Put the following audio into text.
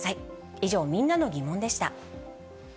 以上、みんなのギモンでした。